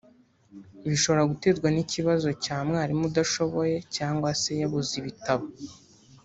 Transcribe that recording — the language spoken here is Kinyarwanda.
bishobora guterwa n’ikibazo cya mwarimu udashoboye cyangwa se yabuze ibitabo